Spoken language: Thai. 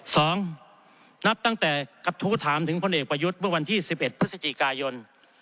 สองนับตั้งแต่กระทู้ถามถึงพลเอกประยุทธ์เมื่อวันที่สิบเอ็ดพฤศจิกายน